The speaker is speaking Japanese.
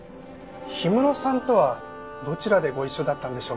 氷室さんとはどちらでご一緒だったんでしょうか？